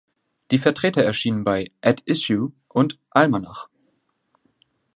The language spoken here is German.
Die Vertreter erschienen bei „At Issue“ und „Almanach“.